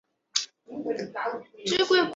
昏果岛县得名于昏果岛。